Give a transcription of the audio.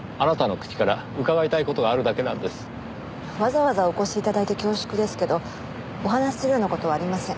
わざわざお越し頂いて恐縮ですけどお話しするような事はありません。